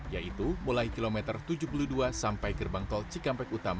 yaitu mulai kilometer tujuh puluh dua sampai gerbang tol cikampek utama